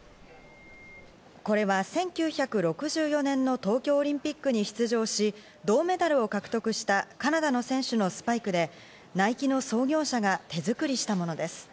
これは１９６４年の東京オリンピックに出場し、銅メダルを獲得したカナダの選手のスパイクで、ナイキの創業者が手作りしたものです。